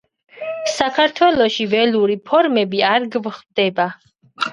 საქართველოში ველური ფორმები არ გვხვდება.